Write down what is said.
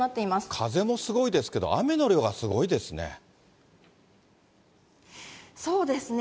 風もすごいですけど、雨の量がすごいですね。